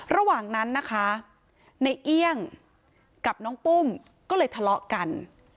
ระหว่างนั้นนะคะในเอี่ยงกับน้องปุ้มก็เลยทะเลาะกัน